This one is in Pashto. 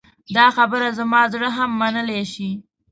دا خبره زما زړه هم منلی شي.